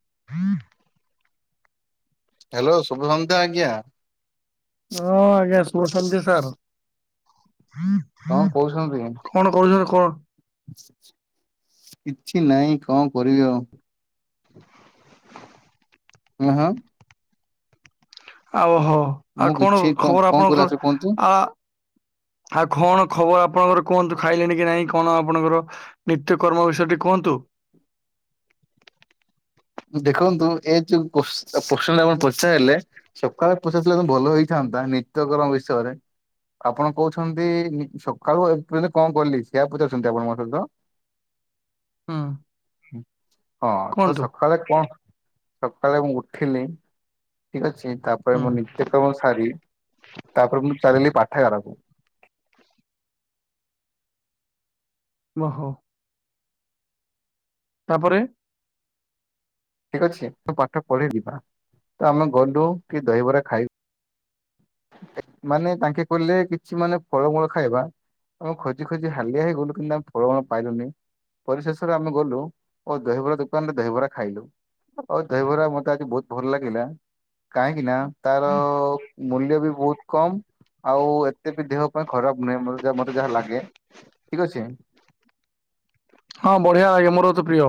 [inaudible] Hello ଶୁଭ ସନ୍ଧ୍ୟା ଆଜ୍ଞା। ହଁ ଆଜ୍ଞା ଶୁଭ ସନ୍ଧ୍ୟା ସାର୍। କଣ କହୁଛନ୍ତି? କଣ କରୁଛନ୍ତି କଣ କିଛି ନାହିଁ କଣ କରିବି ଆଉ। [inaudible] ହଁ ହଁ। ଆଉହୋ ମୁଁ ଆଉ କଣ କିଛି ଖବର କଣ କହିଲା ଆଉଥରେ ଆପଣଙ୍କର କୁହନ୍ତୁ ଆ ଆଉ କଣ? ଖବର ଆପଣଙ୍କର କୁହନ୍ତୁ ଖାଇଲେଣି କି ନାଇଁ କଣ ଆପଣଙ୍କର ନିତ୍ୟ କର୍ମ ବିଷୟ କୁହନ୍ତୁ। ଦେଖନ୍ତୁ ଏ ଯୋଉ ପ୍ରଶ୍ନ ଆପଣ ପଚାରିଲେ ସକାଳେ ପଚାରିଲେ ଭଲ ହେଇଥାନ୍ତା। ନା ନିତ୍ୟକର୍ମ ବିଷୟରେ ଆପଣ କହୁଛନ୍ତି ସକାଳୁ ଏପର୍ଯ୍ୟନ୍ତ କଣ କଲି ସେୟଆ ପଚାରୁଛନ୍ତି ଆପଣ ମୋତେ ତ ହୁଁ। ହଁ ତ କୁହନ୍ତୁ ସ କଣ ସକାଳେ ମୁଁ ଉଠିଲି ଠିକ ଅଛି ତାପରେ ହୁଁ ମୁଁ ନିତ୍ୟକ୍ରମ ସାରି ତାପରେ ମୁଁ ଚାଲିଲି ପାଠ [unintelligible] ଠୋ ରଖୁ। ଓହୋ। ତାପରେ ଠିକ ଅଛି ତୁ ପାଠ ପଢେ ଯିବା ତ ଆମେ ଗଲୁ କି ଦହିବରା ଖାଇବୁ ମାନେ ତାଙ୍କେ କହିଲେ କିଛି ମାନେ ଫଳମୂଳ ଖାଇବା ଆଉ ଖୋଜି ଖୋଜି ହାଲିଆ ହେଇଗଲୁ କିନ୍ତୁ ଆମେ ଫଳ ମୂଳ ପାଇଲୁନି। ପରିଶେଷରେ ଆମେ ଗଲୁ ଓ ଦହିବରା ଦୋକାନରେ ଦହିବରା ଖାଇଲୁ। ହଉ ଦହିବରା ମତେ ଆଜି ବହୁତ ଭଲ ଲାଗିଲା କାହିଁକି ନା ତାର ମୂଲ୍ୟ ବି ବହୁତ କମ ଆଉ ଏତେ ବି ଦେହ ପାଇଁ ଖରାପ ନୁହେଁ ମତେ ଯାହା ଲାଗେ। ଠିକ ଅଛି। ହଁ ବଢିଆ ଆଜ୍ଞା ମୋର ତ ପ୍ରିୟ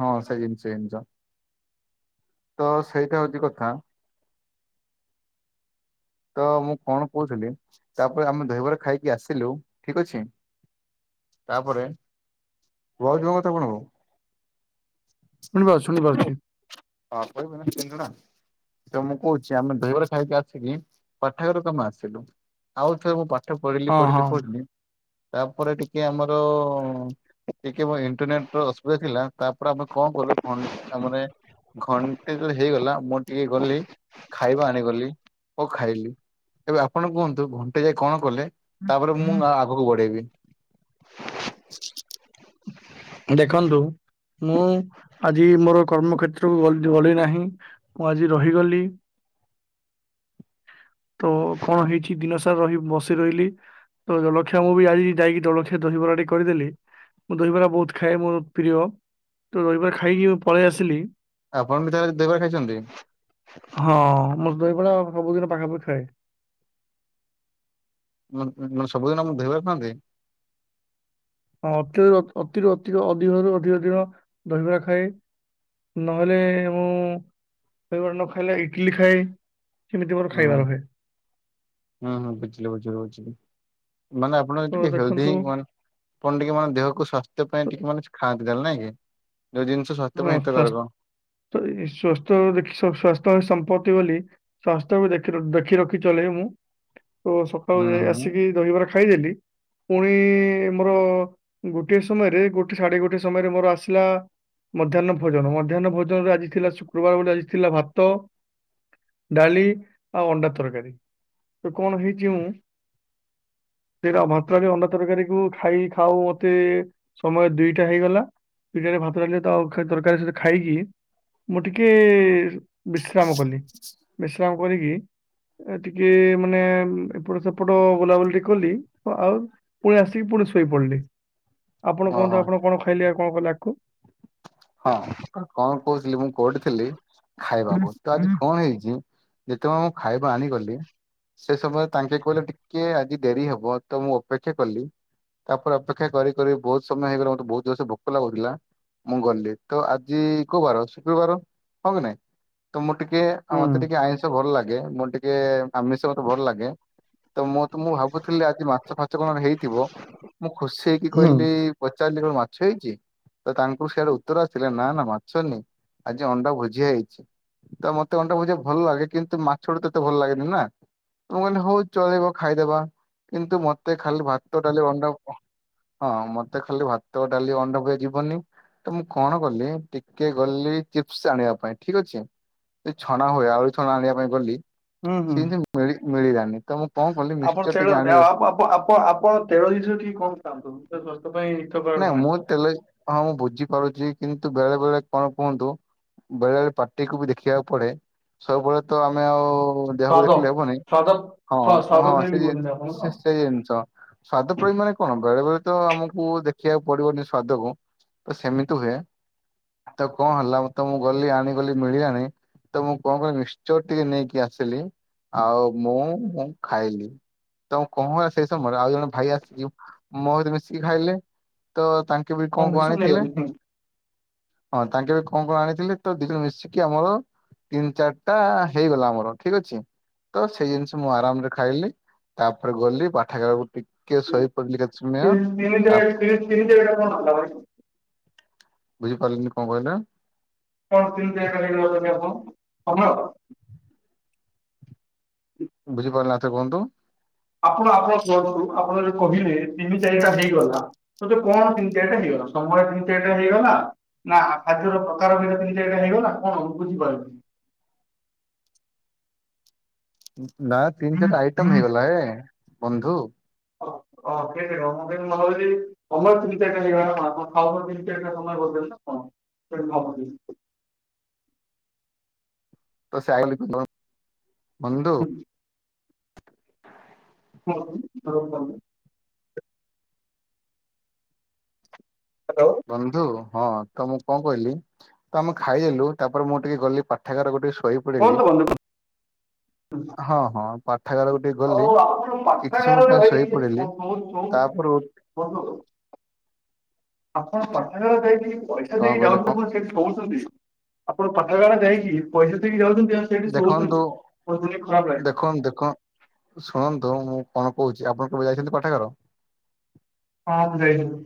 ହଁ ସେଇ ଜିନିଷ ସେଇ ଜିନିଷ ତ ସେଇଟା ହଉଛି କଥା। ତ ମୁଁ କଣ କହୁଥିଲି ତାପରେ ଆମେ ଦହିବରା ଖାଇକି ଆସିଲୁ ଠିକ ଅଛି ତାପରେ ଭାଉଜ ଙ୍କ କଥା କଣ ହବ? ଶୁଣିପାରଛି ଶୁଣିପାରୁଛି। । [unintelligible] ତ ମୁଁ କହୁଛି, ଆମେ ଦହିବରା ଖାଇକି ଆସିକି, ପାଠାଗାରୁକୁ କମେ ଆସିଲୁ? ଆଉ ଥରେ ମୁଁ ପା ଠ ପଢିଲି ହଁ ହଁ ପଢିଲି ପଢିଲି। ତା'ପରେ ଟିକେ ଆମର-ଅ-ଅଁ ଟିକେ ମୋ ଇଣ୍ଟରନେଟ୍ ର ଅସୁବିଧା ଥିଲା। ତା'ପରେ ଆମେ କଣ କଲୁ କଣ ଆମନେ ଘଣ୍ଟେ ତ, ହେଇଗଲା ମୁଁ ଟିକେ ଗଲି। ଖାଇବା ଆଣିଗଲି ଓ ଖାଇଲି। ଏବେ, ଆପଣ କୁହନ୍ତୁ ଘଣ୍ଟେ ଯାଏ କଣ କଲେ? ତା'ପରେ ମୁଁ ଆଗକୁ ବଢେଇବି। ଦେଖନ୍ତୁ। ମୁଁ, ଆଜି ମୋର କର୍ମକ୍ଷେତ୍ରକୁ ଗ-ଗଲି ନାହିଁ। ମୁଁ ଆଜି ରହିଗଲି। ହ। ତ କଣ ହେଇଛି, ଦିନସାରା ରହି ବସି ରହିଲି। ତ ଜଲଖିଆ ମୁଁ ବି ଆଜି ଯାଇକି ଜଳଖିଆ ସେ ଦହିବରା ଟି କରିଦେଲି, ମୁଁ ଦହିବରା ବହୁତ ଖାଏ ମୋର ପ୍ରିୟ। ତ, ଦହିବରା ଖାଇକି ମୁଁ ପଳେଇ ଆସିଲି। ଆପଣ ବି ତାହେଲେ ଦହିବରା ଖାଇଛନ୍ତି? ହଁ, ମୋର ଦହିବର। ସବୁ ଦିନ ପାଖାପଖି ଖାଏ। ମୁଁ, ଉଁ ସବୁଦିନ ମୁଁ ଦହିବରା ଖାଆନ୍ତି? ହଁ, ଅତି ଅତିରୁ ଅତି ଅଧିକରୁ ଅଧିକ ଦିନ ଦହିବରା ଖାଏ। ନହେଲେ, ମୁଁ ଦହିବରା ନ ଖାଇଲେ ଇଟିଲି ଖାଏ। ସେମିତି ମୋର ହଁ, ଖାଇବା ରହେ ହଁହଁ, ବୁଝିଲି ବୁଝି ବୁଝିଲି। ମାନେ ଆପଣ ତ ଟିକେ ହେଲ୍ଦି, ଦେଖନ୍ତୁ ମାନେ! ଆପଣ ଟିକେ ମାନେ, ଦେହକୁ ସ୍ଵାସ୍ଥ୍ୟ ପାଇଁ ଟିକେ ମାନେ କିଛି ଖାଆନ୍ତି। ଜାଲ ନାହିଁ କି? ଯୋଉ ଜିନିଷ ସ୍ୱାସ୍ଥ୍ୟ ପାଇଁ ହଁ, ସସ୍ ହିତକାରକ। ତ ସ୍ୱସ୍ଥ ଦେଖି ସ୍ଵାସ୍ଥ୍ୟ ହି ସମ୍ପଦ। କି ବୋଲି ସ୍ୱାସ୍ଥ୍ୟ କୁ ଦେଖି ର! ଦେଖି ରଖି ଚଲେଇ ମୁଁ ତ, ସକାଳୁ ହୁଁ ଯାଇ ହୁଁ ଆସିକି ଦହିବାର ଖାଇଦେଲି। ପୁଣି ମୋର ଗୋଟଏ ସମୟରେ, ଗୋଟେ ସାଢେ ଗୋଟେ ସମୟରେ ମୋର ଆସିଲା ମଧ୍ୟାହ୍ନ ଭୋଜନ! ମଧ୍ୟାହ୍ନ ଭୋଜନରେ ଆଜି ଥିଲା, ଶୁକ୍ରବାର ବୋଲି ଆଜି ଥିଲା ଭାତ, ଡାଲି, ଆଉ ଅଣ୍ଡା ତରକାରୀ। ତ କଣ ହେଇଛି ମୁଁ! । ସେଇଟା ଭାତ ଅଣ୍ଡା ତରକାରୀକୁ ଖାଇ, ଖାଉ ମତେ ସମୟ ଦିଟା ହେଇଗଲା। ପିଠାରେ ଭାତ ଡାଲି ତ ଆଉ ଖେ, ତରକାରୀ ସହିତ ଖାଇକି ମୁଁ ଟିକେ-ଏ ବିଶ୍ରାମ କଲି। ବିଶ୍ରାମ କରିକି ଟିକେ ଏ ମାନେ, ଏପଟ ସେପଟ ବୁଲାବୁଲି ଟିକେ କଲି। ଆଉ, ପୁଣି ଆସିକି ପୁଣି ପୁଣି ଶୋଇପଡିଲି। ଆପଣ, କୁହନ୍ତୁ ଓହୋ ଆପଣ କଣ ଖାଇଲେ? ଆଉ, କଣ କଲେ ଆଗକୁ? ହଁ, କଣ କହୁଥିଲି? ମୁଁ କୋଉଠି ଥିଲି, ଖାଇବାକୁ! ତ ଆଜି ହୁଁ କଣ ହେଇଛି? ଯେତେବେଳେ ମୁଁ ଖାଇଆ କୁ ଆଣି ଗଲି ସେ ସମୟରେ ତାଙ୍କେ କହିଲେ ଟିକେ ଆଜି ଦେରି ହବ। ତ ମୁଁ ଅପେକ୍ଷା କଲି। ତା'ପରେ ଅପେକ୍ଷା କରି କରି ବହୁତ ସମୟ ହେଇଗଲା। ମୋତେ ବହୁତ ଜୋର୍ ସେ ଭୋକ ଲାଗୁଥିଲା, ମୁଁ ଗଲି। ତ ଆଜି କୋଉ ବାର? ଶୁକ୍ରବାର! ହଁ କି ନାଇଁ! ତ ମୋ ଟିକେ, ହୁଁ ମତେ ଟିକେ ଆଇଁଷ ଭଲ ଲାଗେ। ମୁଁ ଟିକେ ଆମିଷ, ମତେ ଭଲ ଲାଗେ। ତ ମୁଁ ତ ମୁଁ ଭାବୁଥିଲି, ଆଜି ମାଛ ଫାଛ କଣ ହେଇଥିବ? ମୁଁ ଖୁସି ହେଇକି କହିଲି ପଚାରିଲି କଣ ମାଛ ହେଇଛି? ତ ତାଙ୍କୁ ସିଆଡୁ ଉ ଉତ୍ତର ଆସିଲା। ନା, ନା, ମାଛ ନି! ଆଜି ଅଣ୍ଡା ଭୋଜିଆ ହେଇଛି। ତ ମୋତେ ଅଣ୍ଡା ଭୋଜିଆ ଭଲ ଲାଗେ। କିନ୍ତୁ, ମାଛଟୁ ତ ଏତେ ଭଲ ଲାଗେନି ନା! ମୁଁ କହିଲି, ହଉ ଚଳିବ ଖାଇଦବା। କିନ୍ତୁ, ମତେ ଖାଲି ଭାତ ଡାଲି ଅଣ୍ଡା ହଁ, ମତେ ଖାଲି ଭାତ, ଡାଲି, ଅଣ୍ଡାଭୁଯା ଯିବନି। ତ, ମୁଁ କଣ କଲି? ଟିକେ ଗଲି ଚିପ୍ସ ଆଣିବା ପାଇଁ ଠିକ୍ ଅଛି। ସେ ଛଣା ହୁଏ। ଆଉରି ଛଣା ଆଣିିବା ପାଇଁ ଗଲି। ହୁଁ, ହୁଁ, ସେ ଜିନିଷ ମିଳି ମିଳିଲାନି ତ ମୁଁ କଣ କଲି ଆପଣ ମିକ୍ସଚର ତେଳ ଟିକେ ଆଣିବା ଆପ ଆପ ଆପ ତେଳ [inaudible] ନାଇଁ, ନୁହେଁ ମୁଁ ତେଲ ଜି ହଁ ମୁଁ ବୁଝି ପାରୁଛି। କିନ୍ତୁ, ବେଳେ ବେଳେ କଣ କୁହନ୍ତୁ? ବେଳେ ବେଳେ ପାର୍ଟିକୁୁ ବି ଦେଖିବାକୁ ପଡେ। ସବୁବେଳେ ତ ଆମେ ଆଉ ଓ ଦେହକୁ ସ୍ୱାଦ ଦେଖିଲେ ହେବନାଇଁ। ସ୍ୱାଦ ହଁ ସ୍ୱା- ସ୍ୱାଦ ହଁ ସେ ପ୍ରେମୀ କହୁଛନ୍ତି ଆପଣ ତ ସେ ସେଇ ଜିନିଷ ସ୍ବାଦ ପ୍ରଇ ମାନେ କଣ ବେଳେବେଳେ ତ ଆମକୁ ଦେଖିବାକୁ ପଡିବନି ସ୍ଵାଦକୁ ତ ସେମିତି ହୁଏ। ତ କଣ ହେଲା ତ ମୁଁ ଗଲି ଆଣିଗଲି ମିଳିିଲାନି। ତ ମୁଁ କଣ କହିଲି ମିଶ୍ଚର ଟିକେ ନେଇକି ଆସିଲି ଆଉ ମୁଁ ମୁଁ ଖାଇଲି। ତ କଣ ହେଲା ସେ ସମୟରେ ଆଉ ଜଣେ ଭାଇ ଆସିକି ମୋ ସହିତ ମିଶିକି ଖାଇଲେ ତ ତାଙ୍କ କେବେ କଣ କରିବାକୁ ମିଶନ ଆଣିଥିଲେ? ନେଇଗଲେ ହୁଁ। ହଁ ତାଙ୍କେ ବି କଣ କଣ ଆଣିଥିଲେ ତ ଦି ଜଣ ମିଶିକି ଆମର ତିନି ଚାରିଟା ହେଇଗଲା ଆମର ଠିକ ଅଛି। ତ ସେଇ ଜିନିଷ ମୁଁ ଆରାମ ରେ ଖାଇଲି ତାପରେ ଗଲି ପାଠାଗାରକୁ ଟିକେ ଶୋଇ ତିନି ଚ ତିନି ଚାରଟା ଫଣ ଆଲା ଭ [unintelligible] ବୁଝିପାରିଲିନି କଣ କହିଲ? [inaudible] ବୁଝିପାରିଲିନି ଆଉ ଥରେ କୁହନ୍ତୁ? ଆପଣ ଆପଣ ତରଫରୁ ଆପଣ ଯଦି କହିଲେ ତିନି ଚାରିଟା ହେଇଗଲା ତତେ କଣ ତିନି ଚାରିଟା ହେଇଗଲା? ସମୟରେ ତିନି ଚାରିଟା ହେଇଗଲା ନା ଖାଦ୍ୟର ପ୍ରକାର ଭ ତିନି ଚାରିଟା ହେଇଗଲା କଣ ବୁଝିପାରୁନି? [inaudible] ନା ତିନି ଚାରିଟା ଆଇଟମ ହେଇଗଲା ଏ ବନ୍ଧୁ। ହଁ। ହଁ ସେ ମତେ ଭାବଛି କମର ତିନି ଚାରିଟା ହେଇଗ ଖ ତିନି ଚାରିା ସମୟ ବଦ ନା କଣ? [inaudible] ତ ସେ ଆଗ ବନ୍ଦୁ [inaudible] ହ୍ୟାଲୋ ବନ୍ଧୁ। ହଁ ତ ମୁଁ କଣ କହିଲି ତ ଆମେ ଖାଇଦେଲୁ ତାପରେ ମୁଁ ଟିକେ ଗଲି ପାଠାଗାରକୁ ଟିକେ ଶୋଇ ଶୋଇ ପଡିଲି। ହୁଁ। ହଁ ହଁ ପାଠାଗାରକୁ ଟିକେ ଗଲି ହଉ ଆପଣ କିଛି ସମୟ ପାଠାଗାରରେ ପାଇଁ ଶୋଇ ଭାଇ ପଡିଲି [unintelligible] ତାପରେ ବନ୍ଧୁ ଆପଣ ପାଠାଗାରକୁ ଯାଇକି ପଇସା କଣ ଦେଇକି କହିଲେ କଣ ଯାଉଛନ୍ତି କ ସେଠି ଶୋଉଛନ୍ତି ଆପଣ ପାଠାଗାରା ଯାଇକି ପଇସା ଦେଇକି ଯାଉଛନ୍ତି। ଆଉ ସେଇଠି ଦେଖନ୍ତୁ ଶୋଉଛନ୍ତି ବହୁତ ଶୁଣିକି ଖରାପ ଲାଗିଲା ଦେଖନ୍ତୁ ଦେଖ ଶୁଣନ୍ତୁ ତ ମୁଁ କଣ କହୁଛି ଆପଣ କେବେ ଯାଇଛନ୍ତି ପାଠାଗାର? ହଁ ମୁଁ ଯାଇଥିଲି।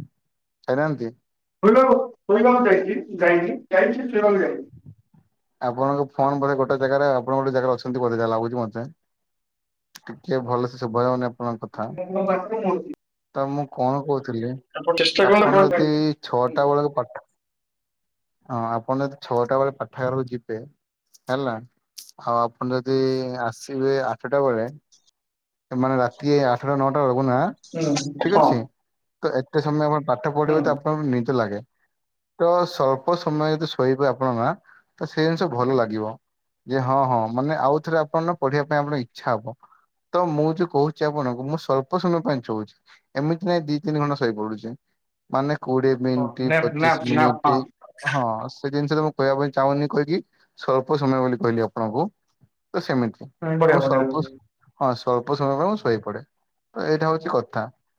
ଯାଇନାହାନ୍ତି? [unintelligible] ଯାଇଛି ଯାଇଛିି ଯାଇଛି । ଆପଣଙ୍କ ଫୋନ ବୋଧେ ଗୋଟେ ଜାଗାରେ ଆପଣ ଗୋଟେ ଜାଗାରେ ଅଛନ୍ତି ବୋଧେ। ଯାହା ଲାଗୁଛି ମତେ ଟିକେ ଭଲସେ ଶୁଭାଯାଉନି [unintelligible] ତ ମୁଁ କଣ କହୁଥିଲି ଆପଣ ଚେଷ୍ଟା କରନ୍ତୁ ଆପଣ ହୁଁ ଯଦି ଛଅଟା ବେଳକୁ ପାଠା ହଁ। ଆପଣ ଯଦି ଛଅଟା ବେଳେ ପାଠାଗାରକୁ ଯିବେ। ହେଲା ଆଉ ଆପଣ ଯଦି ଆସିବେ ଆଠଟା ବେଳେ ମାନେ ରାତି ଆଠଟା ନଅଟା ବେଳକୁ। ନା ହୁଁ ଠିକ ହଁ। ଅଛି ତ ଏତେ ସମୟ ଆପଣ ପାଠ ପଢିବେ ହୁଁ ତ ଆପଣଙ୍କୁ ନିଦ ଲାଗେ। ତ ସ୍ୱଳ୍ପ ସମୟ ଯଦି ଶୋଇବେ ଆପଣଙ୍କ ନା। ତ ସେଇ ଜିନିଷ ଭଲ ଲାଗିବ। ଯେ ହଁ ହଁ। ମାନେ ଆଉ ଥରେ ଆପଣ ନା ପଢିବା ପାଇଁ ଆପଣ ଇଚ୍ଛା ହବ। ତ ମୁଁ ଯୋଉ କହୁଛି ଆପଣଙ୍କୁ ମୁଁ ସ୍ୱଳ୍ପ ସମୟ ପାଇଁ ଶୋଉଛି। ଏମିତି ନାଇଁ ଦି ତିନି ଘଣ୍ଟା ଶୋଇପଡୁଛି। ମାନେ କୋଡିଏ ହଁ ମିନିଟ୍, ନ୍ୟାପ୍ ନ୍ୟାପ୍ ପଚିଶ ନ୍ୟାପ୍ ମିନିଟ୍। ହଁ ସେ ଜିନିଷଟା କହିବା ପାଇଁ ଚାହୁଁନି କହିକି ସ୍ୱଳ୍ପ ସମୟ ବୋଲି କହିଲି ଆପଣଙ୍କୁ। ତ ସେମିତି ହଁ ତ ବଢିଆ ମୁଁ ବଢିଆ ସ୍ୱଳ୍ପ ହଁ ସ୍ୱଳ୍ପ ସମୟ ପାଇଁ ମୁଁ ଶୋଇପଡେ। ତ ଏଇଟା ହଉଛି କଥା।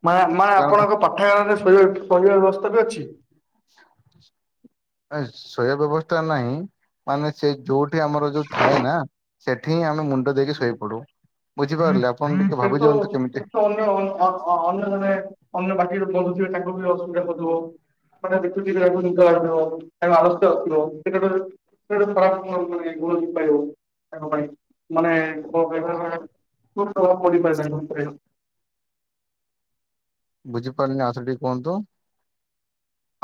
ମା ମା କାରଣ ଆପଣଙ୍କ ପାଠାଗାରରେ ଶୋଇବା ପଢ଼ିବା ବ୍ୟବସ୍ଥା ବି ଅଛି? ଏଁ ଶୋଇବା ବ୍ୟବସ୍ଥା ନାହିଁ ମାନେ ସେ ଯୋଉ ସେଠି ଆମର ଯୋଉ ଥାଏ ନା ସେଠି ହିଁ ଆମେ ମୁଣ୍ଡ ଦେଇକି ଶୋଇପଡୁ। ବୁଝିପାରିଲେ ଆପଣ ଟିକେ ଭାବି ସେତ ଦିଅନ୍ତୁ କେମିତି ତ ଅନ୍ୟ ଅ ଅ ଅ ଅନ୍ୟ ଜଣେ ଅନ୍ୟ। [unintelligible] ଥିବେ ତାଙ୍କୁ ବି ଅସୁବିଧା ହୋଉଥୁବ? ମାନେ ଦେଖୁଥିବେ [unintelligible] ଏବଂ ଆଳସ୍ୟ ଆସିବ। [unintelligible] ହେଟା ଗୋଟେ ଖରାପ ଗୁଣ ହବନି କାଇଁ ଗୁଣ ହେଇପାରିବ ତାଙ୍କ ପାଇଁ। ମାନେ କୋଉ ବିଭାଗରେ। [unintelligible] [inaudible] ବୁଝିପାରିନି ଆଉଥରେ ଟିକେ କୁହନ୍ତୁ?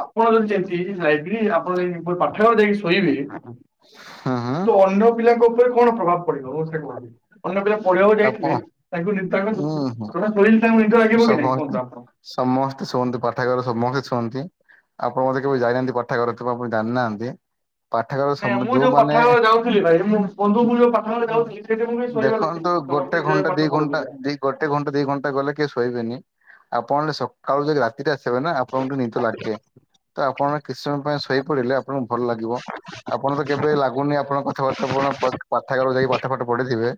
ଆପଣ ଯଦି ଯେମିିତି ଯାଇ [unintelligible] ଆପଣ ଯାଇକି ଫୁଣି ପାଠାଗାରରେ ଯାଇକି ଶୋଇବେ ହୁଁ ହୁଁ ତ ଅନ୍ୟ ପିଲାଙ୍କ ଉପରେ କଣ ପ୍ରଭାବ ପଡିବ ମତେ ସେଇଆ କୁହନ୍ତୁ। ଅନ୍ୟ ପିଲା ପଢ଼ିଆକୁ ଆପଣ ଯାଇଥିବେ ତାଙ୍କୁ ନିଦ ତାଙ୍କୁ ହୁଁ ହୁଁ ତମେ ଶୋଇଲେ ତାଙ୍କୁ ନିଦ ଲାଗିବ କି ନାଇଁ ସମସ୍ତେ କୁହନ୍ତୁ ଆପଣ? ସମସ୍ତେ ଶୁଅନ୍ତି ପାଠାଗାରରେ ସମସ୍ତେ ଶୁଅନ୍ତି। ଆପଣ ବୋଧେ କେବେ ଯାଇନାହାନ୍ତି ପାଠାଗାର ଏଥିପାଇଁ ଆପଣ ଜାଣନାହାନ୍ତି। ନାଇଁ ମୁଁ ଯୋଉ ପାଠାଗାରରେ ଯାଉଥିଲି ଭାଇ ମୁଁ ବନ୍ଧୁ ମୁଁ ଯୋଉ ପାଠାଗାରରେ ଯାଉଥିଲି ସେଇଠି ମୁଁ ବି ଶୋଇବା କଣ ତ ଦେଖିଥିଲି। ସମସ୍ତେ ଗୋଟେ ନିଜ ନିଜ ଘଣ୍ଟା ପାଠ ଦି ଘଣ୍ଟା ପଢୁଥିଲେ। ଦି ଗୋଟେ ଘଣ୍ଟା ଦି ଘଣ୍ଟା ଗଲେ କିଏ ଶୋଇବେନି। ଆପଣ ସକାଳୁ ଯାଇକି ରାତିଟା ଆସିବେ ନା ଆପଣଙ୍କୁ ଟିକେ ନିଦ ଲାଗିଯାଏ ତ ଆପଣ କିଛି ସମୟ ପାଇଁ ଶୋଇପଡ଼ିଲେ ଆପଣଙ୍କୁ ଭଲ ଲାଗିବ ଆପଣ ତ କେବେ ଲାଗୁନି ଆପଣଙ୍କ [unintelligible] କଥା ଆପଣ ପ ପାଠାଗାରକୁ ଯାଇକି ପାଠ ଫାଟ ପଢିଥିବେ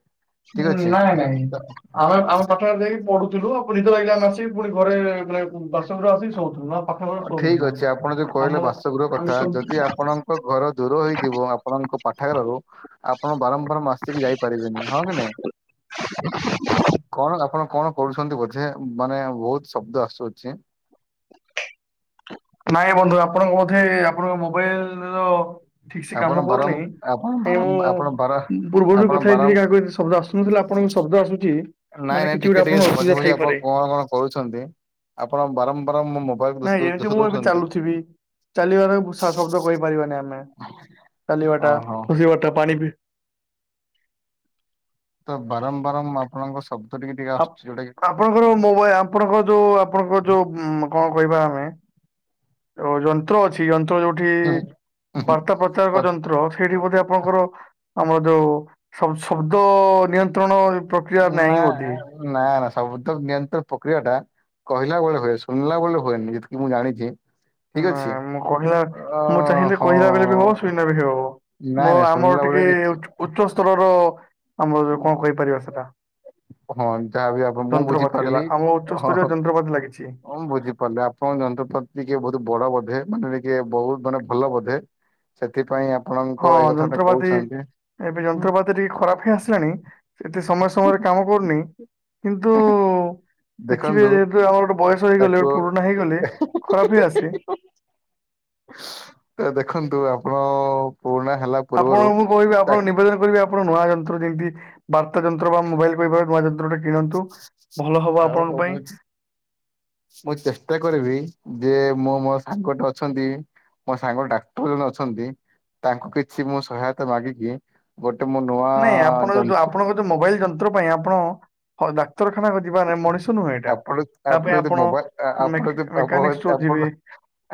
ଠିକ ଅଛି। ନାଇଁ ନାଇଁ ତ ଆମେ ଆମ ପାଠାଗାର ଯାଇକି ପଢୁଥୁଲୁ ନିଦ ଲାଗିଲେ ଆମେ ଆସିକି ଫୁଣି ଘରେ ମାନେ ବାସଗୃହ ଆସିକି ଶୋଉଥୁଲୁ ନ ହଁ ଠିକ ଅଛି ଆପଣ ଯୋଉ କହିଲେ ବାସଗୃହ ଆମେ କଥା ସବୁ ଯଦି ଆପଣଙ୍କ ଘର ଦୂର ହେଇଥିବ ଆପଣ ଙ୍କ ପାଠାଗାରରୁ ଆପଣ ବାରମ୍ବାର ମାସିକି ଯାଇପାରିବେନି ହଁ କି ନାଇଁ? କଣ ଆପଣ କଣ କରୁଛନ୍ତି ବୋଝେ ମାନେ ବୋହୁତୁ ଶବ୍ଦ ଆସୁଛି। ନାଇଁ ବନ୍ଧୁ ଆପଣଙ୍କ ବୋଧେ ଆପଣଙ୍କ ମୋବାଇଲର ଠିକ ସେ ଆପଣ କାମ କରୁନି। ବାରମ୍ବ ଆପଣ କାହିଁକି ବାରମ୍ବ ଆପଣ ବାର ମୁଁ ପୂର୍ବରୁ ବି ଆପଣ କଥା ହେଇଥିଲି ବାରମ୍ବ କାହାକୁ ଏତେ ଶବ୍ଦ ଆସୁନଥିଲା ଆପଣଙ୍କୁ ଶବ୍ଦ ଆସୁଚି। ନାଇଁ ନାଇଁ ଟିକେ ଟିକେ ମଝିରେ ମଝିରେ ଆପଣ କଣ କଣ କରୁଛନ୍ତି ଆପଣ ବାରମ୍ବାରମ୍ ନାଇଁ ଏମିତି ମୁଁ ଏବେ ଚାଲୁଥିବି ଚାଲିବାର ଶ ଶବ୍ଦ କହିପାରିବାନି ଆମେ। ଚାଲିବା ଟା ଓହୋ ବସିବା ଟା ପାଣି ପି ତ ବାରମ୍ବାରମ୍ ଆପଣଙ୍କ ସବ ଆପ୍ ଆପଣଙ୍କର ମୋବାଇ ଆପଣଙ୍କର ଯୋଉ ଆପଣଙ୍କର ଯୋଉ ମୋ କଁ କହିବା ଆମେ ଯ ଯନ୍ତ୍ର ଅଛି ଯନ୍ ତମେ ଯୋଉଠି ହୁଁ, ବାର୍ତ୍ତା ପ୍ରଚାରକ ଯନ୍ତ୍ର ସେଇଠି ବୋଧେ ଆପଣଙ୍କର ଆମର ଯୋଉ ଶବ ଶବ୍ଦ ନିୟନ୍ତ୍ରଣ ପ୍ରକ୍ରିୟା ନାଁ ନାହିଁ ବୋଧେ ନାଁ ନାଁ ଶବ୍ଦ ନିୟନ୍ତ୍ରଣ ପକ୍ରିୟା ଟା କହିଲା ବୋଳେ ହୁଏ ଶୁଣିଲା ବୋଳେ ହୁଏନି ଯେତିକି ମୁଁ ଜାଣିଚି ଠିକ ନା, ଅଛି ମୁଁ କହିଲା ଅଁ ମୁଁ ଚାହିଁଲେ କହିଲା ବେଳେ ବି ହବ ହଁ। ଶୁଣିଲା ବି ହବ। ମୋ ନାଇଁ ନାଇଁ ଆମର ଶୁଣିଲା ବୋଳେ ଟିକେ କିିଛି ଉଚ୍ଚ ଉଚ୍ଚ ସ୍ତରର ଆମର ଯୋଉ କଁ କହିପାରିବା ସେଟା। ହଁ ଯାହାବି ଆପଣ ମୁଁ ଯନ୍ତ୍ରପାତି ହେଲା ବୁଝିପାରିଲି ଆମ ହଁ ଉଚ୍ଚସ୍ତରୀୟ ହଁ ଯନ୍ତ୍ରପାତି ଲାଗିଛି ହଁ ମୁଁଁ ବୁଝିପାରିଲି ଆପଣ ଯନ୍ତ୍ରପାତି ଟିକେ ବୋହୁତ ବଡ ବୋଧେ ମାନେ ଟିକେ ବୋହୁତ ମାନେ ଭଲ ବୋଧେ ସେଥିପାଇଁ ଆ ହଁ ଯନ୍ତ୍ରପାତି ଏବେ ହୁଁ, ଯନ୍ତ୍ରପାତି ଟିକେ ଖରାପ ହେଇ ଆସେ ସିଲାଣି ଏତେ ସମୟ ସମୟରେ କାମ କରୁନି କିନ୍ତୁ ଦେଖିବେ ଦେଖନ୍ତୁ ଯେହେତୁ ଆମର ଗୋଟେ ବୟସ ହେଇଗଲେ ତାକୁ ପୁରୁଣା ହେଇଗଲେ ଖରାପ ହେଇ ଆସେ ତ ଦେଖନ୍ତୁ ଆପଣ ପୁରୁଣା ହେଲା ପୂର୍ବରୁ ଆପଣଙ୍କୁ କହିବି ତା ଆପଣଙ୍କୁ ନିବେଦନ କରିବି ଆପ ଆପଣ ନୂଆ ଯନ୍ତ୍ର ଯେମିତି ବାର୍ତ୍ତା ଯନ୍ତ୍ର ବା ମୋବାଇଲ [unintelligible] ନୂଆ ଯନ୍ତ୍ର ଟା କିଣନ୍ତୁ ଭଲ ହବ ହଉ ଆପଣଙ୍କ ହଉ ପାଇଁ। ମୁଁ ମୁଁ ଚେଷ୍ଟା କରିବି ଯେ ମୁଁ ମୋ ସାଙ୍ଗ ଟେ ଅଛନ୍ତି ମୋ ସାଙ୍ଗ ଡାକ୍ତର ଜଣେ ଅଛନ୍ତି। ତାଙ୍କୁ କିଛି ମୁଁ ସହାୟତା ମାଗିକି ଗୋ ନାଇଁ ଆପଣ ଯଉ ଆପଣଙ୍କ ଯଉ ମୋବାଇଲ ଯନ୍ତ୍ର ପାଇଁ ଆପଣ ହ ଡା ଡାକ୍ତରଖାନା ଯିବା ନାଇଁ ମଣିଷ ନୁହେଁ ଏଇଟା ଆପଣ ତା ପାଇଁ ଯଦି ଆପଣ ମୋବାଇଲ ଆ- ଆପଣ ମେକ ଯଦି ଆପଣ ମେକାନିକ୍ ଷ୍ଟୋର ଆପଣ ଯିବେ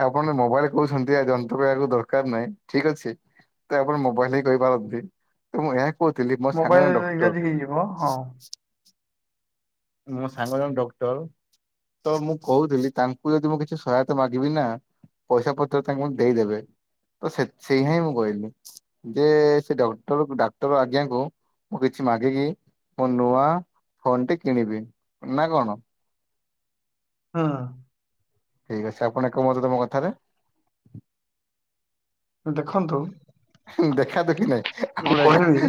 ଆପଣ ମୋବାଇଲ୍ କହୁଛନ୍ତି ଆ ଯନ୍ତ୍ର କହିବାକୁ ଦରକାର ନାହିଁ। ଠିକ୍ ଅଛି ତ ଆପଣ ମୋବାଇଲ ହି କହିପାରନ୍ତି ତ ମୁଁ ଏହା କହୁଥିଲି ମୋ ସାଙ୍ଗ ଜଣେ ମୋବାଇଲ ଡକ୍ଟର ଯଦି ହେଇଯିବ ହଁ ମୋ ସାଙ୍ଗ ଜଣେ ଡକ୍ଟର ତ ମୁଁ କହୁଥିଲି ତାଙ୍କୁ ଯଦି ମୁଁ କିଛି ସହାୟତା ମାଗିବି ନା? ପଇସା ପତ୍ର ତାକୁ ଦେଇଦେବେ। ତ ସେ ସେଇ ହାଇଁ ମୁଁ କହିଲି ଯେ ସେ ଡକ୍ଟର ଡାକ୍ଟର ଆଜ୍ଞା କୁ ମୁଁ କିଛି ମାଗିକି ମୋ ନୂଆ ଫୋନ ଟି କିଣିବି ନା କଣ? ହଁ। ଠିକ ଅଛି ଆପଣ ଏକମତ ତ ମୋ କଥାରେ ଦେଖନ୍ତୁ। ଦେଖା ଦେଖି ନାଇଁ ମୁଁ ଆପଣ କହିବି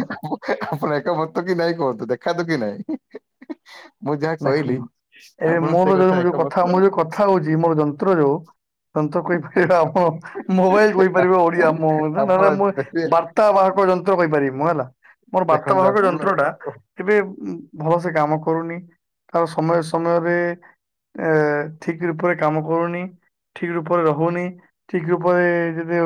ଆପଣ ମତ କି ନାଇଁ କୁହନ୍ତୁ ଦେଖାନ୍ତୁ କି ନାଇଁ। ମୁଁ ଯାହା କହିଲି ଦେଖନ୍ତୁ ଏବେ ଆପଣ ସେ ମୋର ଯୋଉ ଯୋଉ କଥା ଏକମତ ମୋ ଯୋଉ କଥା ହଉଛି ମୋର ଯନ୍ତ୍ର ଯୋଉ ତ ତ କହିପାରିବା ଆମ ମୋବାଇଲ କହିପାରିବା ଓଡିଆ ଆପଣ ଦେଖି ବାର୍ତ୍ତା ବାହକ ଯନ୍ତ୍ର କହିପାରିବି ମୁଁ ହେଲା। ମୋର ବାର୍ତ୍ତା ଦେଖନ୍ତୁ ବାହକ ଯନ୍ତ୍ର ଟା ଆପଣ କେବେ ଭଲସେ କାମ କରୁନି। ତାର ସମୟ ସମୟରେ ଏ ଠିକ୍ ରୂପରେ କାମ କରୁନି। ଠିକ୍ ରୂପରେ ରହୁନି ଠିକ୍ ରୂପରେ ଯଦି